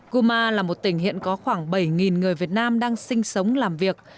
guma là một tỉnh hiện có khoảng bảy người việt nam đang sinh sống làm việc